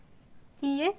いいえ。